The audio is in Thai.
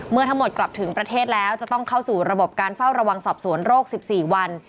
เมื่อทั้งหมดกลับถึงประเทศแล้วจะต้องเข้าสู่ระบบการเฝ้าระวังสอบสวนโรค๑๔วัน